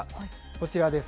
こちらです。